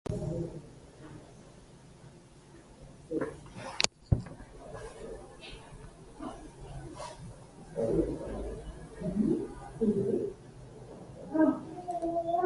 Sediments are deposited by the sea on mud flats when the tides change.